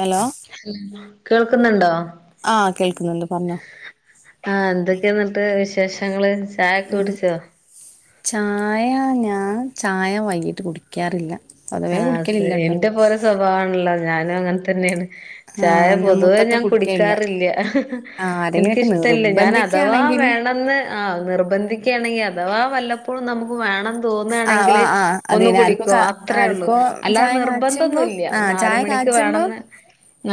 Hello കേൾക്ക്ന്ന് ണ്ടോ? ആഹ് കേൾക്ക്ന്ന് ണ്ട് പർഞ്ഞോ. ആഹ് എന്തൊക്കേന്ന്ട്ട് വിശേഷങ്ങള്? ചായൊക്കെ ഉം കുടിച്ചോ ചായ ഞാൻ ചായ വൈകീട്ട് കുടിയ്ക്കാറില്ല. ആഹ് എന്റെ പോലെ സ്വഭാവാണല്ലോ, ഞാനു അങ്ങൻതന്നേണ്. ചായ ആഹ് പൊതുവേ മൊത്തത്തി ഞാൻ കുടിക്കലില്ല കുടിക്കാറില്ല്യ. ആഹ് ആരെങ്കിലൊക്കെ എനിക്കിഷ്ടല്ല, ഞാന ഥവാ നിർബന്ധിക്കാണെങ്കില് വേണംന്ന് ആഹ് നിർബന്ധിക്കയാണെങ്കി, അഥവാ വല്ലപ്പോഴും നമുക്ക് വേണം ആഹ് തോന്നാണെങ്കില് ആഹ് ആഹ് ഒന്ന് അതന്നെ ആർക്കോ കുടിക്കും. കാ അ ത്രേള്ളു. ആർക്കോ അല്ലാതെ ചായ കാച്ചുമ്പോ നിർബന്ധൊന്നുല്ല്യ ആഹ് ചായ നാലുമണിക്ക് വേണംന്ന്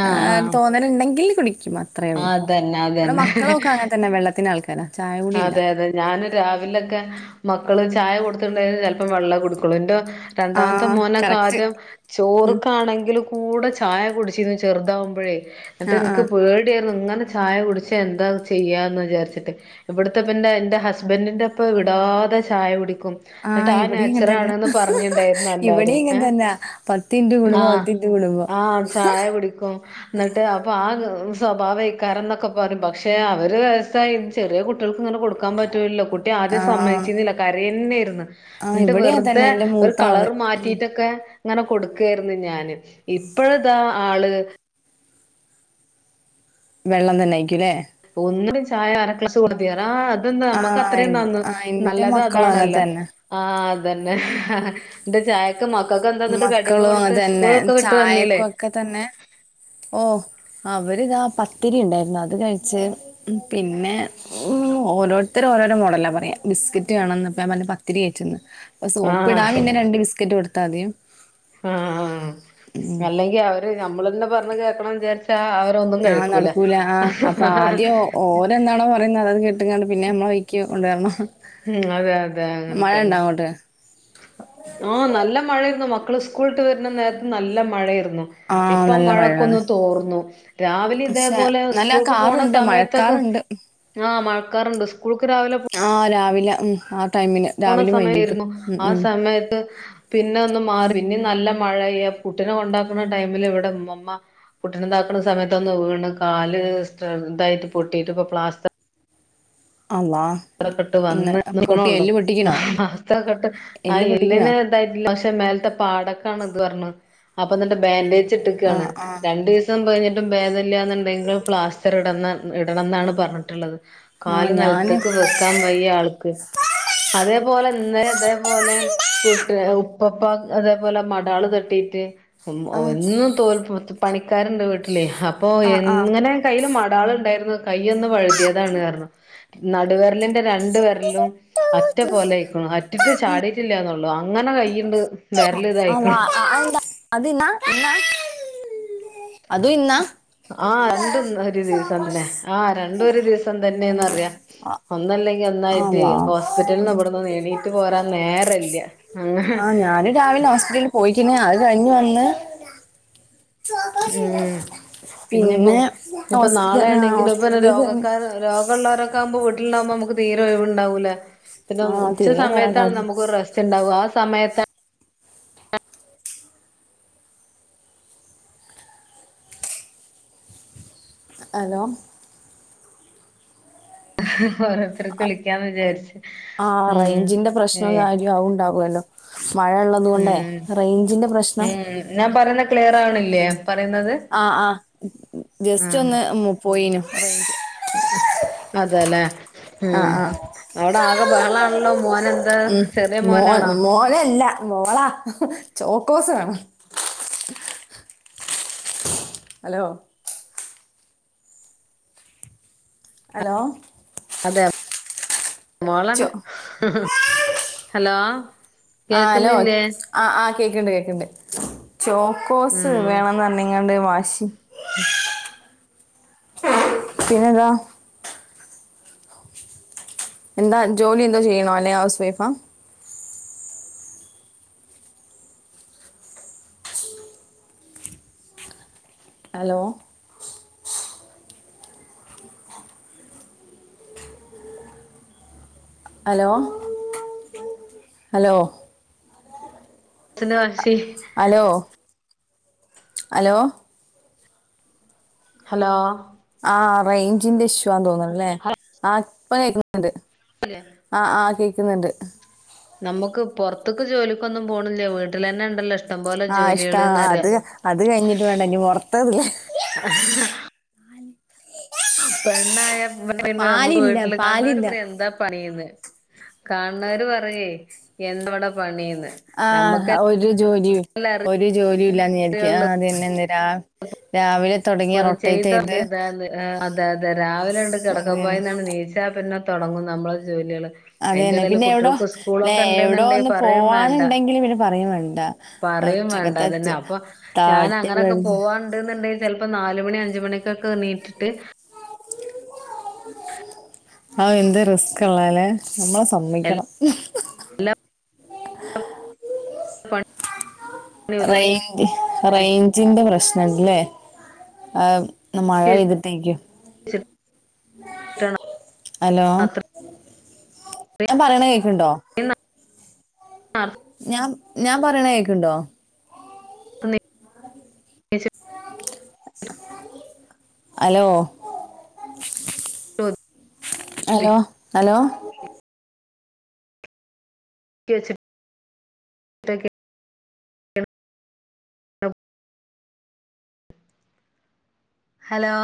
ആഹ് ആഹ് അങ്ങനണ്ടെങ്കിൽ കുടിക്കും, അത്രേ ഉള്ളു. അതന്നെ ഇവടെ അതന്നെ മക്കളൊക്കെ അങ്ങൻതന്നെ വെള്ളത്തിന്റെ ആൾക്കാരാ ചായ കുടി ഇല്ല അതെ അതെ ഞാന് രാവിലൊക്കെ മക്കള് ചായ കൊടുത്തിട്ട്ണ്ടേല്, ചെൽപ്പൊ വെള്ളാ കുടിക്കൊള്ളു. ഇൻ്റെ രണ്ടാമത്തെ ആഹ് മോനൊക്കെ കറക്റ്റ് ആദ്യം ഉം ചോറ്ക്കാണെങ്കില് കൂടെ ചായ കുടിച്ചിന്ന് ചെറുതാവുമ്പഴേ ന്ന്ട്ട് ആഹ് ഇൻക്ക് ആഹ് പേടിയായ്ര്ന്നു, ഇങ്ങനെ ചായ കുടിച്ചാ എന്താ ചെയ്യാന്ന് വിചാര്ച്ചിട്ടെ ഇബട്ത്തെ പിന്നെ എന്റെ ഹസ്ബൻ്റിന്റെ ഇപ്പ വിടാതെ ചായ കുടിക്കും. ആഹ് ന്ന്ട്ടാ ഇവിടെയും ഇങ്ങനെ തന്നെ നേച്ചറാണ്ന്ന് പറഞ്ഞിണ്ടായിരുന്നു ഇവിടെയും എല്ലാരും. ഇങ്ങനെ ഏഹ് തന്നാ പത്തിൻറ്റു കൂടുമ്പോ ആഹ് പത്തിൻറ്റു കൂടുമ്പോ ആഹ് ചായ കുടിക്കും ന്ന്ട്ട് അപ്പൊ ആ സ്വഭാവെയ്ക്കാരംന്നൊക്കെ പറിം പക്ഷേ, അവര് വയസ്സായി ചെറിയ കുട്ട് ട്ട്യൾക്ക്ങ്ങനെ കൊടുക്കാൻ പറ്റൂലല്ലൊ, കുട്ടി ആദ്യം ആഹ് ആഹ് സമ്മയ്ച്ചീന്നില്ല കരയെന്നേയ് ര്ന്ന് ആഹ് ൻട്ട് ഇവിടെയും അങ്ങനെ വെർതെ തന്നെ എന്റെ ഒരു മൂത്ത ആള് കളറ് ഉം മാറ്റീട്ടൊക്കെ ഇങ്ങനെ കൊടുക്കായിര്ന്നു ഞാന്. ഇപ്പഴതാ ആള് വെള്ളം തന്നായ്ക്കുലേ? ഒന്നിനും ചായ അര ക്ലാസ് [unintelligible] ആഹ് അതെന്താ നമ്മക്ക് ആഹ് അത്രേം നന്ന്. ആഹ് എന്റെ നല്ലത് മക്കളും അങ്ങനെ അതാണല്ലോ തന്നെ ആഹ് അതന്നെ. [unintelligible] ചായ [unintelligible] മക്കക്കെന്താ ന്ന്ട്ട് കട്യൊക്കെ മക്കളും അങ്ങനെ കൊടുത്തത്, തന്നെ സ്കൂളൊക്കെ വിട്ട് വന്നീലേ? ചായക്കും ഒക്കെ തന്നെ ഓഹ്, അവര്താ പത്തിരി ഇണ്ടായിര്ന്നു, അത് കഴിച്ച് പിന്നെ, ഓരോര്ത്തര് ഓരോരോ മോഡലാ പറയ. ബിസ്ക്കറ്റ് വേണംന്ന് പ്പ ഞാൻ പർഞ്ഞ് പ ത്തിരിയേറ്റ്ന്ന്. അപ്പൊ സോപ്പ് ടാൻ ആഹ് പിന്നെ രണ്ട് ബിസ്ക്കറ്റ് കൊടുത്താദ്യം ആഹ് ആഹ് ആഹ് അല്ലെങ്കി അവര് ഞമ്മളെന്നെ പറഞ്ഞ് കേക്കണം വിചാര്ച്ച് ട്ടാ അവരൊന്നും ആ കഴിക്കൂല. ഓലെന്താണോ പറയുന്നത് അതണ് കേട്ട്കാണ്ട്, പിന്നെ നമ്മളെ വഴിക്ക് കൊണ്ടു വരണം. ഉം അതെ അതെ അങ്ങൻതന്നെ. ആഹ് നല്ല മഴയിരുന്നു, മക്കള് സ്കൂൾട്ട് വര്ന്ന നേരത്ത് നല്ല മഴയിരുന്നു. ആ ഇപ്പം നല്ല മഴയാണ് മഴക്കൊന്ന് തോർന്നു. രാവിലിം പക്ഷെ ഇതേപോലെ നല്ല സ്കൂൾക്ക് പോണ കാറുണ്ട് സമയത്തൊക്കെ മഴക്കാറുണ്ട് ആഹ് മഴക്കാറ്ണ്ട് സ്കൂൾക്ക്‌ രാവിലെ പോ - ആഹ് രാവിലെ ആഹ് ടൈമിന് പോണ രാവിലെ വൈകിട്ട് സമയത്തിരുന്നു ഉം ആ ഉം സമയത്ത് പിന്നെ ഒന്ന് മാറി പിന്നിം നല്ല മഴയ്യ കുട്ടിനെ കൊണ്ടാക്കുന്ന ടൈമില് വടെമ്മമ്മ കുട്ടിനതാക്കുന്ന സമയത്തൊന്ന് വീണ്. കാല്തായിട്ട പൊട്ടിട്ട് ഇപ്പൊ പ്ലാസ്റ്റ അള്ളാഹ് റൊക്കെട്ട് വന്ന്നിക്ക്ണൊള്ളൂ. ആസ്റ്ററൊക്കെട്ട് ആ എല്ല് പൊട്ടിക്കണോ എല്ലിനെ തായിട്ടില്ല. പക്ഷെ മേൽത്തെ പാടക്കാണ് ത് പർണ്. അപ്പ ന്നട്ട് ബാൻഡേജ് ആ ഇട്ട്ക്കാണ്. ആ രണ്ടീസ് സം കയ്ഞ്ഞിട്ടും ഭേദല്യാന്നുണ്ടെങ്കിൽ പ്ലാസ്റ്റർ ഇട ഇടണംന്നാണ് പറഞ്ഞിട്ടുള്ളത് ആ കാല് ഞാന് നെൽത്ത്ക്ക് വെക്കാംവയ്യ ആൾക്ക്. അതേപോലെ ഇന്നലെതേപോലെ പുട്ട് ഉപ്പപ്പ അതേപോലെ മടാള് തട്ടിട്ട് ഉം ആ എന്നും തോൽ പണിക്കാരുണ്ട് വീട്ടിലേ. അപ്പൊ ആ ആ എങ്ങനെ കയ്യിൽ മടാള്ണ്ടായിര്ന്നു. കൈയ്യൊന്ന് വഴുതിയതാണ്ർഞ്ഞു നടുവെർലിന്റെ രണ്ട് വെര്ലും അറ്റ പോലയ്ക്ക്‌ണ്. അറ്റിട്ട് ചാടിട്ടില്ലാന്നൊള്ളു ള്ളൂ അങ്ങനെ കൈയ്യ്ണ്ട് അല്ല അഹ് എൻ [inaudible] അതിനന്നാ ഇന്ന അത ഇന്നാ [inaudible] ആഹ് രണ്ടുംഇന്ന ഒരു ദിവസന്നെ ആഹ്‌ രണ്ടു ഒരു ദിവസം തന്നെന്നറിയാ ഒന്നല്ലെ ങ്കി ഒന്നായിട്ട് അള്ളാ ഹോസ്പിറ്റൽന്ന് ഇവിടുന്നൊന്ന് എണീട്ട് പോരാൻ നേരല്യ ഞാനും രാവിലെ ഹോസ്പിറ്റലിൽ പോയിക്ക്‌ണ്. അത് കഴിഞ് വന്ന് ഉം പിന്നെപ്പോ പിന്നെ ഹോസ്പിറ്റ ആ ഹോസ്പിറ്റൽ കേസെന്നെ രോഗള്ളോരൊക്കാവുമ്പോ വീട്ടില്ണ്ടാവുമ്പോ അമ്മക്ക് തീരെ ഒഴിവ്ണ്ടാവൂലേ പിന്നെ ആ ഉച്ച തിരികെ നേരം സമയത്താണ് ഉണ്ടായിരുന്നു നമുക്കൊരു റെസ്റ്റ് ഉണ്ടാവ ആ സമയത്താ ഹലോ ഹ്‌ ഹോരോ ആഹ് ഉം റൈഞ്ചിന്റെ ഏ പ്രശ്നവും കാര്യവും അഉണ്ടാകുവല്ലോ മഴള്ളത് കൊണ്ടേ റൈഞ്ചിന്റെ പ്രശ്നം നാ പറയുന്ന ക്ലിയറാവ്ണില്ലേ പറയുന്നത് ആഹ് ആഹ് ജസ്റ്റ് ഒന്ന് പോയിനു റൈഞ്ച് അതേലേ ആ ഉം ആ അവടാകെ ബഹളാണല്ലോ മോൻ എന്താ ചെറിയ മോനാണോ അല്ല മോളാ ചോക്കോസ് വേണം ഹലോ ഹലോ അതെ ചോ മോളാണ്, ഹലോ ആഹ് അലോ കേക്കുന്നില്ലേ ആഹ് ആഹ് കേക്ക്‌ണ്ട് കേക്ക്‌ണ്ട് ചോക്കോസ് വേണെന്നർഞ്ങ്ങാണ്ട് വാശി ഉം പിന്നെന്താ എന്താ ജോലി എന്തോ ചെയ്യ്ണോ അല്ലെങ്കി ഹൗസ് വൈഫാ ഹലോ ഹലോ ഹലോ ച്ചന്റെ വാശി അലോ അലോ ഹലോ ആഹ് റൈഞ്ചിന്റെ ഇഷ്യുആൻ തോന്ന് ണ്ല്ലേ ആഹ് ഇപ്പ കേക്കുന്നുണ്ട് പല്ലെ ആഹ് ആഹ് കേക്കുന്നുണ്ട് നമ്മുക്ക് പൊർത്ത്ക്ക് ജോലിക്കൊന്നും പോണില്യ. വീട്ടിലെന്നെണ്ടല്ലോഷ്ടം ആഹ് ഇഷ്ട അത് അത് കഴിഞ്ഞിട്ട് വേണ്ടേ ഇനി പൊ റത്തതില് പെണ്ണായ പിന്നെ നമുക്ക് പാലില്ല വീട്ടില് കാണ് ണോര് പാലില്ല പറയും എന്താ പണീന്ന് കാണുന്നവരും പറയുവേ എന്താ ഇവിടെ പണിന്ന് ആഹ് ഒരു ജോലി ഒരു ജോലിയുല്ലാന്ന് വിചാരിക്കും ആഹ് അത് തന്നെ എന്തരാ രാവിലെ തുടങ്ങി പണി റൊട്ടേറ്റ് ചെയ്ത ചെയ്ത് കൂലി എന്താന്ന് അതെ അതെ രാവിലെ ങ്ങട്ട് കിടക്ക അതന്നെ പായിന്നാണ് നീച്ചാ പിന്നെ തുടങ്ങും നമ്മള ജോലികള് അയിന്റെ അതന്നെ ഇടേൽ പിന്നെ എവിടോ കുട്ടികൾക്ക് ല്ലെ സ്കൂളൊക്കെ എവിടോ ഉണ്ട്ന്നുണ്ടങ്കി ഒന്ന് പറയും വേണ്ട പോവാനുണ്ടെങ്കില് പിന്നെ പറയും വേണ്ട പറയും വേണ്ട ഉച്ചക്കത്തെ അതന്നെ ച്ച് അപ്പൊ ഞാൻ താട്ടി അങ്ങനൊക്കെ പിടിച്ച് പോവാണ് ണ്ടെന്നുണ്ടെങ്കി ചിലപ്പോ നാലുമണി അഞ്ച് മണിക്കൊക്കെ നീറ്റിട്ട് അഅ് എന്ത് റിസ്ക് ഉള്ളഅല്ലെ നമ്മളെ സമ്മയ്ക്കണം ല്ലോ പണിയും റെയ്ഞ്ച് ഒതുക്കി റയ്ഞ്ചിന്റെ പ്രശ്നണ്ട് ല്ലേ ഇന്ന് മഴ പെയ്തിട്ടേ വെച്ചിട്ടാണ് ഹലോ അത്രയും ഞാൻ പറയണ കേക്കിണ്ടോ എന്ന ആഹ് ഞാൻ ഞാൻ പറയണ കേക്കുണ്ടോ [unintelligible] ഹലോ ഹലോ ഒതുക്കി ഹലോ [unintelligible] വെച്ചിട്ടൊക്കെയാണ് ഹലോ